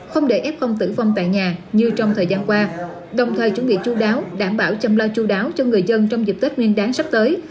không để f tử vong tại nhà như trong thời gian qua đồng thời chuẩn bị chú đáo đảm bảo chăm lo chú đáo cho người dân trong dịp tết nguyên đáng sắp tới